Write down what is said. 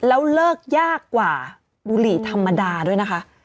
แล้วเลิกยากกว่าบุหรี่ธรรมดาด้วยนะคะ